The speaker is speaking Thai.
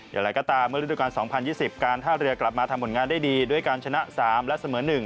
อย่างไรก็ตามเมื่อฤดูการ๒๐๒๐การท่าเรือกลับมาทำผลงานได้ดีด้วยการชนะ๓และเสมอ๑